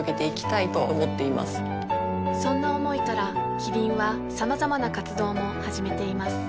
そんな思いからキリンはさまざまな活動も始めています